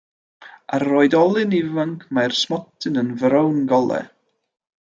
Ar yr oedolyn ifanc mae'r smotyn yn frown golau.